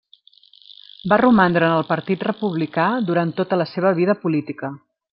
Va romandre en el Partit Republicà durant tota la seva vida política.